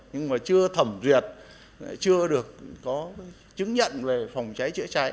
nhưng mà chưa thẩm duyệt chưa được có chứng nhận về phòng cháy chữa cháy